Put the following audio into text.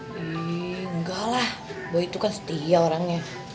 eee enggak lah boy itu kan setia orangnya